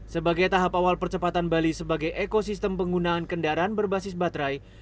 sebagai tahap awal percepatan bali sebagai ekosistem penggunaan kendaraan berbasis baterai